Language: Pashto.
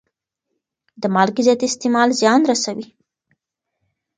د مالګې زیات استعمال زیان رسوي.